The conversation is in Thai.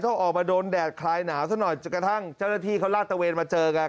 ออกมาโดนแดดคลายหนาวซะหน่อยจนกระทั่งเจ้าหน้าที่เขาลาดตะเวนมาเจอกัน